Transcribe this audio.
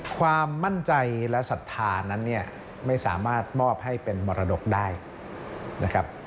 ความมั่นใจและศรัทธานั้นเนี่ยไม่สามารถมอบให้เป็นมรดกได้นะครับ